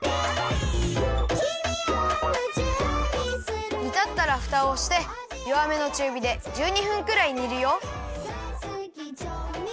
「君を夢中にする」にたったらふたをしてよわめのちゅうびで１２分くらいにるよ。